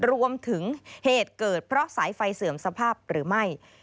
รวมถึงเหตุเกิดเพราะสายไฟเสื่อมสภาพหรือไม่